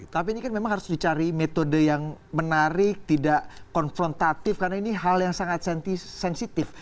tapi ini kan memang harus dicari metode yang menarik tidak konfrontatif karena ini hal yang sangat sensitif